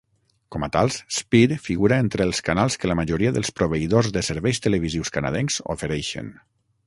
Com a tals, Speed figura entre els canals que la majoria dels proveïdors de serveis televisius canadencs ofereixen.